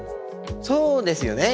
そうですよね。